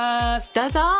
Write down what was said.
どうぞ。